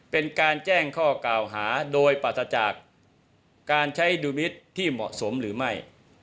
เป็นการแจ้งข้อกล่าวหาโดยปราศจากการใช้ดุมิตรที่เหมาะสมหรือไม่